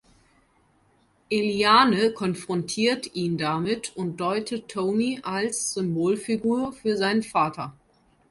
Eliane konfrontiert ihn damit und deutet Tony als Symbolfigur für seinen Vater.